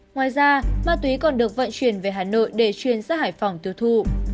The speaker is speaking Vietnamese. ngoài ra ma túy còn được vận chuyển về hà nội để truyền ra hải phòng tiêu thụ